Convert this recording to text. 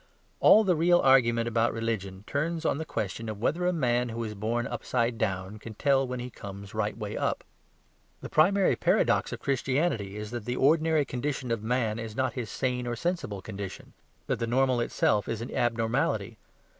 All the real argument about religion turns on the question of whether a man who was born upside down can tell when he comes right way up. The primary paradox of Christianity is that the ordinary condition of man is not his sane or sensible condition; that the normal itself is an abnormality.